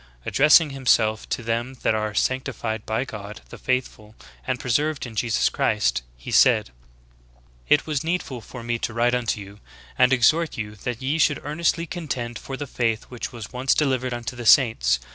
Addressing himself "to them that are sanctified by God the Father and preserved in Jesus Christ," he said : "It was needful for me to write unto you, and exhort you that ye should earnestly contend for the faith which was once delivered unto the saints.